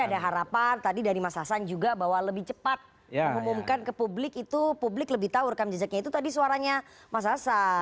ada harapan tadi dari mas hasan juga bahwa lebih cepat mengumumkan ke publik itu publik lebih tahu rekam jejaknya itu tadi suaranya mas hasan